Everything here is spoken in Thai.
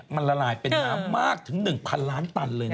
มันละลายเป็นน้ำมากถึง๑๐๐ล้านตันเลยนะ